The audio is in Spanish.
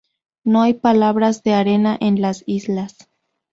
No hay playas de arena en las islas.